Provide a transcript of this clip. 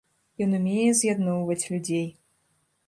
Ён умее з'ядноўваць людзей.